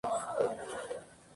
Vive y trabaja en Bogotá.